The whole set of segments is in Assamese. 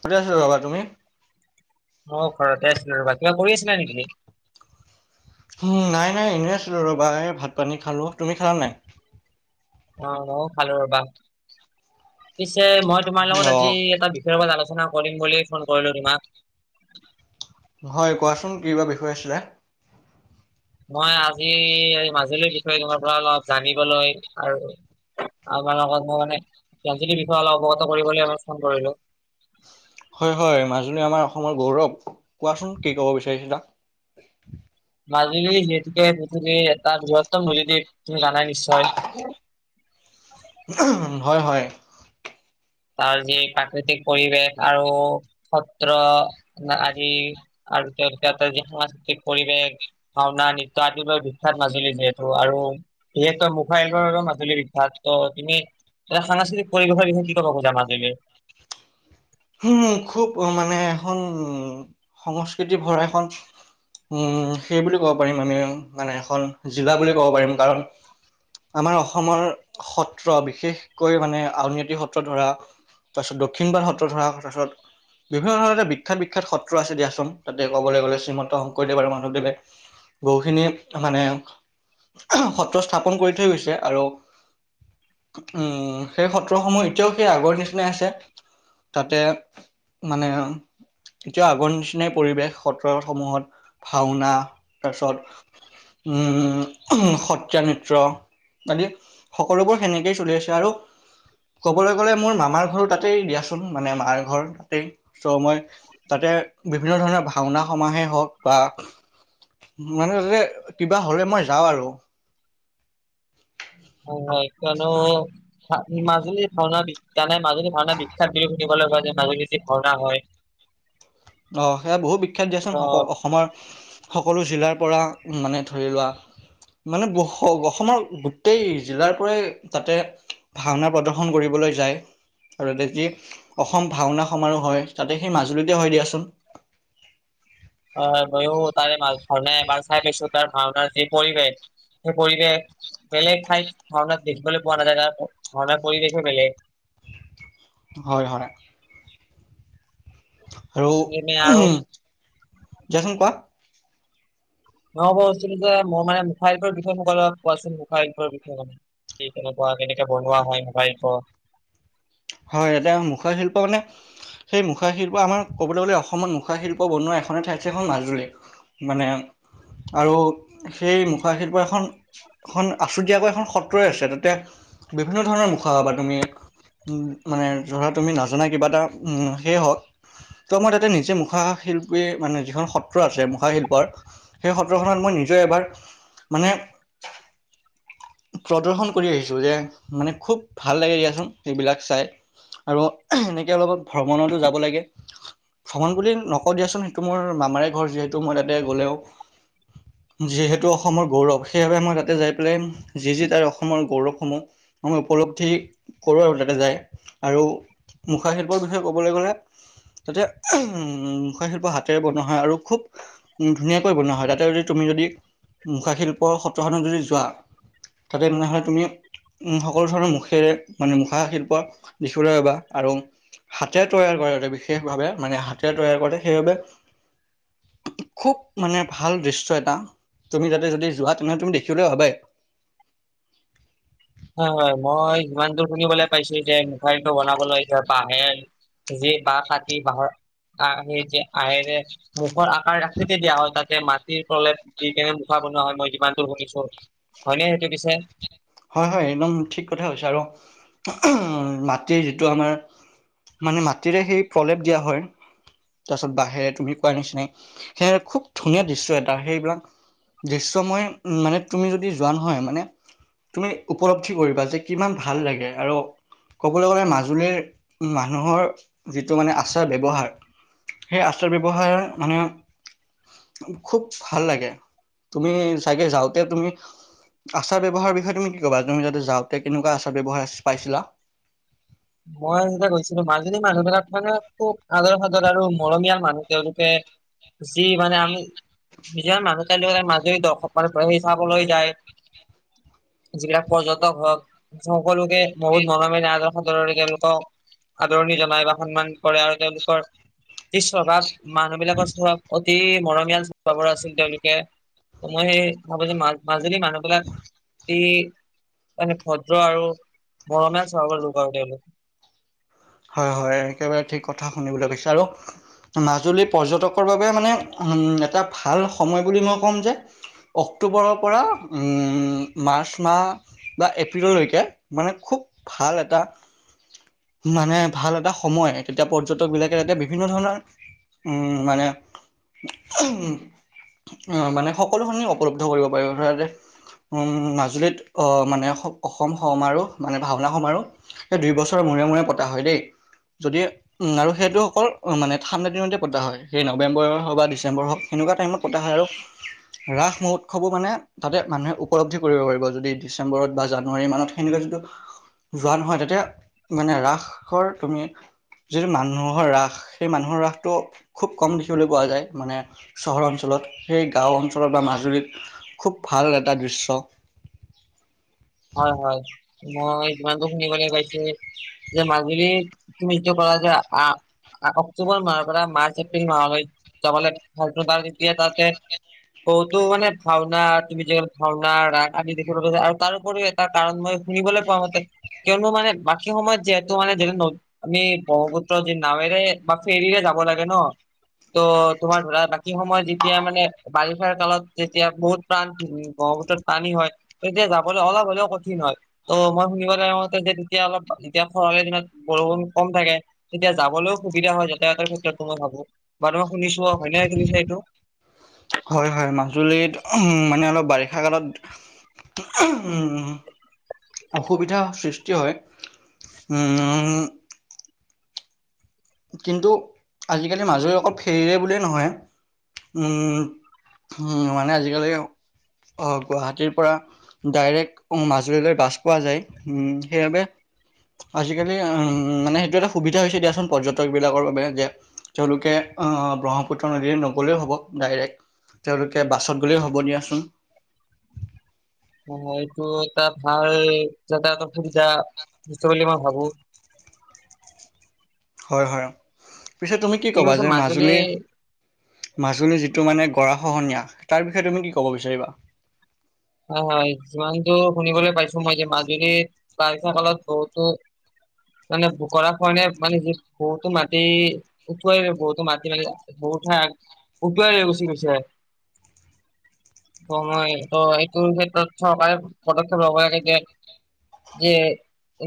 সুধি আছো যাবা তুমি! [inaudible] অ' ঘৰতে আছিলে ৰব কিবা কৰি আছিলা নেকি! নাই- নাই এনেই আছিলোঁ ৰ'বা এই ভাত পানী খালোঁ তুমি খালা নাই। অ' ময়ো খালো ৰবা পিছে মই তোমাৰ লগত আজি অ' এটা বি। লগত আলোচনা কৰিম বিয়ে ফোন কৰিলো তোমাক। হয় কোৱাচোন কি বা বিষয় আছিলে। মই আজি এই মাজুলীৰ বিষয়ে তোমাৰ পৰা অলপ জানিবলৈ আৰু আমাৰ লগত মই মানে বিষয়ে অৱগত কৰিবলৈ ফোন কৰিলো। হয় হয় মাজুলী আমাৰ অসমৰ গৌৰৱ। কোৱাচোন কি ক'ব বিচাৰিছিলা? মাজুলী যিহেতুকে পৃথিৱীৰ এটা বৃহত্তম নদীদ্বীপ তুমি জানাই নিশ্চয়? হয় হয়। তাৰ যি প্ৰাকৃতিক পৰিৱেশ আৰু সত্ৰ আজি আৰু [unintelligible] সংস্কৃতি পৰিৱেশ। ভাওঁনা নৃত্যৰ আদি বিখ্যাত মাজুলী যিহেতু আৰু যিহেতু মুখাইলৰ আৰু মাজুলী বিখ্যাত ত তুমি এতিয়া সাংস্কৃতিক পৰিৱেশৰ বিষয়ে কি ক'ব খোজা মাজুলীৰ? উম খুব মানে এখন সংস্কৃতি ভৰা এখন উম সেই বুলি ক'ব পাৰিম আমি মানে এখন জিলা বুলি ক'ব পাৰিম কাৰণ আমাৰ অসমৰ সত্ৰ বিশেষকৈ মানে আউনীআটী সত্ৰ ধৰা তাৰপাছত দক্ষিণবাৰ সত্ৰ ধৰ তাৰপাছত বিভিন্ন ধৰণৰ এটা বিখ্যাত বিখ্যাত সত্ৰ আছে দিয়াচোন তাতে ক'বলৈ গ'লে শ্ৰীমন্ত শংকৰদেৱ আৰু মাধৱদেৱে বহুখিনি মানে সত্ৰ স্থাপন কৰি থৈ গৈছে আৰু উম সেই সত্ৰসমূহ এতিয়াও সেই আগৰ নিচিনাই আছে। তাতে মানে এতিয়াও আগৰ নিচিনাই পৰিৱেশ সত্ৰ সমূহত ভাওঁনা তাৰপিছত উম, সত্ৰীয়া নৃত্য। আদি সকলোবোৰ সেনেকেই চলি আছে আৰু ক'বলৈ গ'লে মোৰ মামাৰ ঘৰো তাতেই দিয়াচোন মানে মাৰ ঘৰ তাতেই চ' মই তাতে বিভিন্ন ধৰণৰ ভাওঁনা সমাহেই হওঁক বা মানে তাতে কিবা হ'লে মই যাওঁ আৰু। হয় কিয়নো মাজুলী ভাওঁনা বিখ্যাত মাজুলী ভাওঁনা বিখ্যাত বুলি দেখিবলৈ পোৱা যে নাগজতিক ভাওঁনা হয়। অ' সেয়া বহু বিখ্যাত দিয়াচোন ত সকল অসমৰ সকলো জিলাৰ পৰা মানে ধৰি লোৱা মানে অস অসমৰ গোটেই জিলাৰ পৰাই তাতে ভাওঁনা প্ৰদৰ্শন কৰিবলৈ যায়। আৰু তাতে যি অসম ভাওঁনা সমাৰোহ হয়, তাতে সেই মাজুলীতে হয় দিয়াচোন। [unintelligible] অ' মইয়ো তাৰে এবাৰ ভাওঁনা এবাৰ চাই পাইছো তাৰ ভাওঁনাৰ যি পৰিৱেশ সেই পৰিৱেশ বেলেগ ঠাইত ভাওঁনাত দেখিবলৈ পোৱা নাযায়, তাত ভাওঁনাৰ পৰিৱেশে বেলেগ। হয়, হয়। আৰু তুমি আৰু দিৱাচোন কোৱা। মই কৈছিলো যে মোৰ মানে মুখাশিল্পৰ বিষয়ে মোক অলপ কোৱাচোন মুখাশিল্পৰ বিষয়ে কি কেনেকুৱা, কেনেকে বনোৱা হয় মুখাশিল্প। হয় এতিয়া মুখাৰ শিল্প মানে সেই মুখাশিল্প আমাৰ ক'বলৈ গ'লে অসমত মুখাশিল্প বনোৱা এখনেই ঠাইত আছে সেইখন মাজুলী। মানে আৰু সেই মুখাশিল্পৰ এখন এখন আছুতীয়াকৈ এখন সত্ৰই আছে। তাতে বিভিন্ন ধৰণৰ মুখা পাবা তুমি। উম, মানে ধৰা তুমি নাজানা কিবা এটা উম, সে সত্ৰ ত মই তাতে নিজে মুখাশিল্পী মানে যিখন সত্ৰ আছে মুখাশিল্পৰ সেই সত্ৰখনত মই নিজে এবাৰ মানে প্ৰদৰ্শন কৰি আহিছো যে মানে খুব ভাল লাগে দিয়াচোন সেইবিলাক চাই। আৰু এনেকে অলপত ভ্ৰমণটো যাব লাগে। ভ্ৰমণ বুলি নকওঁ দিয়াচোন। সেইটো মোৰ মামাৰে ঘৰ যিহেতু মই তাতে গ'লেও যিহেতু অসমৰ গৌৰৱ সেইবাবে মই তাতে যাই পেলাই যি যি তাই অসমৰ গৌৰৱসমূহ আমি উপলব্ধি কৰোঁ আৰু তাতে যায় আৰু মুখাশিল্পৰ বিষয়ে ক'বলৈ গ'লে তাতে উম, মুখাশিল্প হাতেৰে বনোৱা হয় আৰু খুব উম, ধুনীয়াকৈ বনোৱা হয়, তাতে যদি তুমি যদি মুখাশিল্পৰ সত্ৰখনত যদি যোৱা তাতে [unintelligible] [unintelligible] তুমি উম, সকলো ধৰণৰ মুখেৰে মানে মুখা শিল্প দেখিবলৈ পাবা আৰু হাতে তৈয়াৰ কৰে বিশেষভাৱে মানে হাতে তৈয়াৰ কৰে সেইবাবে খুব মানে ভাল দৃশ্য এটা। তুমি যাতে যদি যোৱা তেনে হ'লে তুমি দেখিবলৈ পাবাই। হয়, হয়। মই যিমান দূৰ শুনিবলৈ পাইছোঁ যে মুখাশিল্পৰ বনাবলৈ এতিয়া আহে। যি বাঁহ কাটি বাঁহৰ আহেৰে মুখৰ আকাৰ আকৃতি দিয়া হ'ল [unintelligible] মাটিৰ তলত দি কেনে মুখা বনোৱা হয় মই যিমান দূৰ শুনিছোঁ হয়নে সেইটো পিছে হয়, হয়। একদম ঠিক কথা হৈছে আৰু উম মাটিৰ যিটো আমাৰ মানে মাটিৰে সেই ফলেপ দিয়া হয়। তাৰপিছত বাঁহেৰে তুমি কোৱাৰ নিচিনাই [unintelligible] খুব ধুনীয়া দৃশ্য এটা সেইবিলাক দৃশ্যময় মানে তুমি যদি যোৱা নহয় মানে তুমি উপলব্ধি কৰিবা যে কিমান ভাল লাগে আৰু ক'বলৈ গ'লে মাজুলীৰ মানুহৰ যিটো মানে আচাৰ ব্যৱহাৰ সেই আচাৰ ব্যৱহাৰ মানে খুব ভাল লাগে তুমি চাগে যাওঁতে তুমি আচাৰ ব্যৱহাৰৰ বিষয়ে তুমি কি ক'বা তুমি যতে যাওঁতে কেনেকুৱা আচাৰ ব্যৱহাৰ পাইছিলা? মই যেতিয়া গৈছিলো মাজুলী মানুহ বিলাক মানে খুব আদৰ সাদৰ আৰু মৰমীয়াল মানুহ। তেওঁলোকে যি মানে আমি নিজাৰ মানুহ। [unintelligible] মাজী [unintelligible] চাবলৈ যায়। যিবিলাক [unintelligible] সদৰৰে তেওঁলোকক আদৰণি জনায় বা সন্মান কৰে আৰু তেওঁলোকৰ শ স্বভাৱ মানুহ বিলাকৰ [unintelligible] অতি মৰমীয়াল স্বভাৱৰ আছিল তেওঁলোকে ত মই [unintelligible] মাজুলী মানুহ বিলাক অতি মানে ভদ্ৰ আৰু মৰমীয়াল স্বভাৱৰ [unintelligible] [unintelligible] হয়, হয়। একেবাৰে ঠিক কথা শুনিবলৈ বিচাৰো। মাজুলীৰ পৰ্যটকৰ বাবে মানে উম, এটা ভাল সময় বুলি মই ক'ম যে অক্টোবৰৰ পৰা উম, মাৰ্চ মাহ। বা এপ্ৰিললৈকে মানে খুব ভাল এটা মানে ভাল এটা সময় তেতিয়া পৰ্যটক বিলাকে তেতিয়া বিভিন্ন ধৰণৰ উম মানে উম, অ' মানে সকলোখিনি উপলব্ধ কৰিব পাৰিবা ধৰা যে উম, মাজুলীত অ মানে অসম সমাৰোহ মানে ভাওনা সমাৰোহ। এই দুই বছৰৰ মূৰে মূৰে পতা হয় দেই যদি উম আৰু সেইটো অকল মানে ঠাণ্ডা দিনতে পতা হয় সেই নৱেম্বৰ হওক বা ডিচেম্বৰ হওক এনেকুৱা টাইমত পতা হয় আৰু ৰাস মহোৎসৱো মানে তাতে মানুহে উপলব্ধি কৰিব পাৰিব যদি ডিচেম্বৰত বা জানুৱাৰী মানত সেনেকুৱা যিটো যোৱা নহয় তাতে মানে ৰাসৰ তুমি যিটো মানুহৰ ৰাস সেই মানুহৰ ৰাসটো খুব কম দেখিবলৈ পোৱা যায় মানে- চহৰ অঞ্চলত, এই গাঁও অঞ্চলত বা মাজুলীত খুব ভাল এটা দৃশ্য। [inaudible] হয়, হয়। মই যিমান দিন শুনিবলৈ পাইছো যে মাজুলী- তুমিটো কিয় কলা যে আ- মাহৰ মাৰ্চ, এপ্ৰিল মাহলৈ যাব ভাল বা তেতিয়া তাতে- বহুতো মানে ভাওনা তুমি যেনে ভাওনা, ৰাস আদি দেখিব পাবা আৰু তাৰো- পৰি এটা কাৰণ মই শুনিবলৈ পোৱা মতে কিয়নো মানে বাকী সময়ত যিহেতু মানে - আমি ব্ৰহ্মপুত্ৰ যি নাওঁৱেৰে বা ফেৰীৰে যাব লাগে ন। ত' তোমাৰ ধৰা বাকী সময়ত যেতিয়া মানে- বাৰিষাৰ কালত যেতিয়া বহুত প্ৰাণ ব্ৰহ্মপুত্ৰত পানী হয়, তেতিয়া যাব- লে অলপ হ'লেও কঠিন হয়। অঁ, মই শুনিবলৈ আহতে যে তেতিয়া অলপ যেতিয়া খৰালি দিনত বৰষুণ কম থাকে। তেতিয়া যাবলৈও সুবিধা হয় যাতায়াতৰ ক্ষেত্ৰতো মই ভাবো বা মই শুনিছো হয় ন এইটো নিচিনা এইটো। হয়, হয় মাজুলীত মানে অলপ বাৰিষা কালত- উম, অসুবিধাৰ সৃষ্টি হয়। উম। কিন্তু আজিকালি মাজুলী কেৱল ফেৰীৰে বুলিয়ে নহয়- উম, উম মানে আজিকালি আহ গুৱাহাটীৰ পৰা- ডাইৰেক্ট মাজুলীলৈ যায় বাছ পোৱা যায়। উম, সেইবাবে- আজিকালি উম মানে সেইটো এটা সুবিধা হৈছে দিয়াচোন পৰ্য- টক বিলাকৰ বাবে যে তেওঁলোকে আহ ব্ৰহ্মপুত্ৰ নদী নগ'লে হব, ডাইৰেক্ট- তেওঁলোকে বাছত গ'লেইও হ'ব দিয়াচোন। অঁ, এইটো এটা ভাল যাতায়াতৰ সুবিধা হৈছে বুলি মই ভাবোঁ। হয়, হয়, পিছে তুমি কি ক'বা যে মাজুলী- মাজুলী যিটো মানে গৰা খহনীয়া তাৰ বিষয়ে তুমি কি ক'ব বিচাৰিবা? হয়, যিমানটো শুনিবলৈ পাইছো মই যে মাজুলীৰ বাৰিষা কালত বহুতো- মানে বো গৰাখহনীয়া কাৰণে মানে যি বহুতো মাটি- উটুৱাই বহুতো মাটি, বহু ঠাই উঠুৱাই লৈ গুছি গৈছে। হয়, এইটোৰ ক্ষেত্ৰত চৰকাৰে পদক্ষেপ ল'ব লাগে। এতিয়া- যে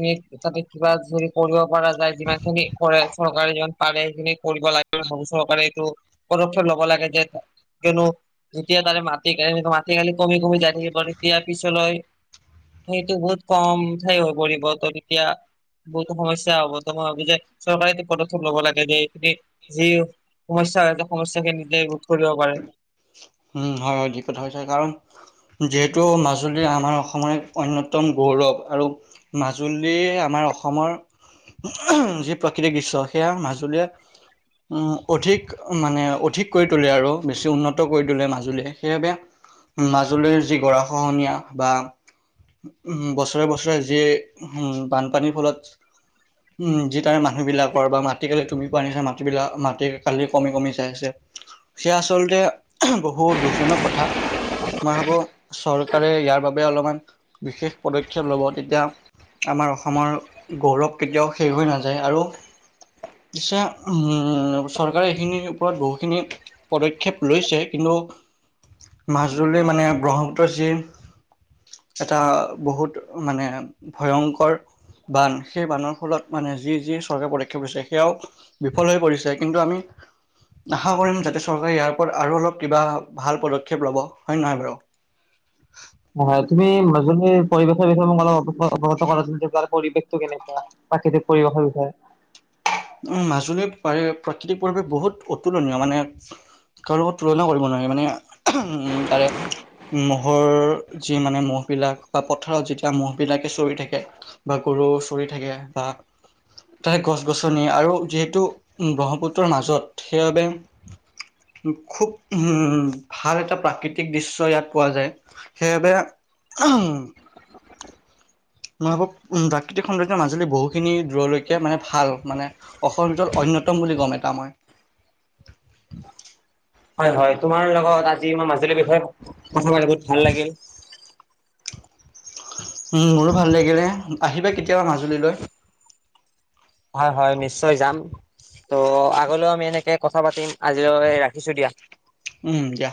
এ এই তাতে কিবা যে- কৰিব পৰা যায় যিমান খিনি কৰে চৰকাৰী যিমান পাৰে সেইখিনি- কৰিব লাগে ভাবো। চৰকাৰে এইটো পদক্ষেপ লব লাগে যে- কিয়নো যেতিয়া তাৰে মাটি কালি, মাটি কালি কমি কমি যাই থাকিব তেতিয়া পিছলৈ- সেইটো বহুত কম ঠাই হৈ পৰিব ত তেতিয়া। বহুতো সমস্যা সমাধান হ'ব চৰকাৰে এই পদক্ষেপ লব যে এইখিনি যি- সমস্যা হয়, সমস্যা কেনকে নিজে ৰোধ কৰিব পাৰে? উম, হয়, হয়, ঠিক কথা কৈছা। কাৰণ- যিহেতু মাজুলী আমাৰ অসমৰ এক অন্যতম গৌৰৱ আৰু- মাজুলী আমাৰ অসমৰ- যি প্ৰাকৃতিক দৃশ্য সেয়া মাজুলী- উম, অধিক মানে অধিক কৰি তোলে আৰু বেছি উন্নত- ত কৰি তোলে মাজুলীয়ে। সেইবাবে মাজুলীৰ যি গৰা খহনীয়া বা- উম, বছৰে বছৰে যি উম, বানপানীৰ ফলত- উম, যি তাৰে মানুহবিলাকৰ বা মাটি কালি তুমি কোৱা নিচিনা মাটিবিলাক মাটি কালি কমি কমি যায় আছে। সেয়া আচলতে বহুত দুখজনক কথা। মই ভাবো চৰকাৰে ইয়াৰ বাবে অলপমান বিশেষ পদক্ষেপ ল'ব। তেতিয়া আমাৰ অসমৰ গৌৰৱ কেতিয়াও শেষ হৈ নাযায়। আৰু পিছে চৰকাৰে এইখিনিৰ ওপৰত বহুখিনি পদক্ষেপ লৈছে। কিন্তু মাজুলি মানে ব্ৰহ্মপুত্ৰৰ যি এটা বহুত মানে ভয়ংকৰ বান, সেই বানৰ ফলত মানে যি যি চৰকাৰে পদক্ষেপ লৈছে সেয়াও বিফল হৈ পৰিছে, কিন্তু আমি আশা কৰিম যাতে চৰকাৰে ইয়াৰ ওপৰত আৰু অলপ কিবা ভাল পদক্ষেপ ল'ব হয় নহয় বাৰু? হয়, হয় তুমি মাজুলি পৰিবেশৰ বিষয়ে মোক অলপ অৱগত কৰা যদি পাৰা পৰিৱেশ টো কেনেকুৱা প্ৰাকৃতিক পৰিৱেশৰ বিষয়ে? মাজুলীৰ প্ৰাকৃতিক পৰিৱেশ বহুত অতুলনীয় মানে। কাৰো লগত তুলনা কৰিব নোৱাৰি, মানে উম তাৰে মহৰ যি মানে মহবিলাক বা পথাৰত যেতিয়া মহ বিলাকে চৰি থাকে। বা গৰু চৰি থাকে বা তাৰ গছ গছ নি আৰু যিহেতু ব্ৰহ্মপুত্ৰৰ মাজত সেইবাবে খুব উম ভাল এটা প্ৰাকৃতিক দৃশ্য ইয়াত পোৱা যায়। সেইাবে উ মই ভাবো প্ৰাকৃতিক সৌন্দৰ্যৰ মাজুলী বহুখিনি দূৰলৈকে মানে ভাল। মানে অসমৰ ভিতৰত অন্যতম বুলি ক'ম এটা মই। হয়, হয়। তোমাৰ লগত আজি মই মাজুলীৰ বিষয়ে কথা পাতি বহুত ভাল লাগিল। উ মোৰো ভাল লাগিলে, আহিবা কেতিয়াবা মাজুলীলৈ। হয়, হয় নিশ্চয় যাম। ত' আগলৈও আমি এনেকে কথা পাতিম আজিলৈ ৰাখিছো দিয়া। উম দিয়া।